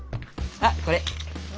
あっこれ。